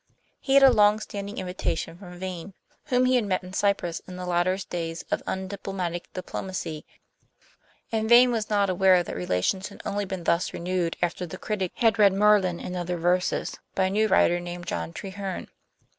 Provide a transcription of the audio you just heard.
He had a long standing invitation from Vane, whom he had met in Cyprus in the latter's days of undiplomatic diplomacy; and Vane was not aware that relations had only been thus renewed after the critic had read Merlin and Other Verses, by a new writer named John Treherne.